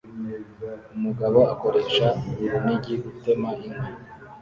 Umugabo akoresha urunigi gutema inkwi